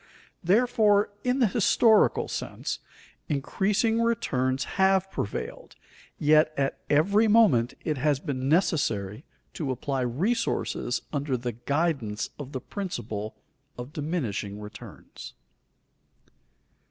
Therefore, in the historical sense, increasing returns have prevailed, yet at every moment it has been necessary to apply resources under the guidance of the principle of diminishing returns.